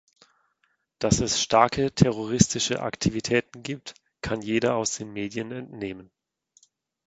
Dass es starke terroristische Aktivitäten gibt, kann jeder aus den Medien entnehmen.